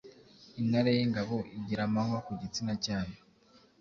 Intare y’ingabo igira amahwa ku gitsina cyayo